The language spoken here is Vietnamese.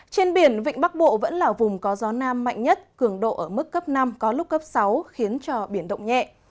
trên biển vịnh bắc bộ vẫn là vùng có gió nam mạnh nhất cường độ ở mức cấp năm có lúc cấp sáu khiến cho biển động nhẹ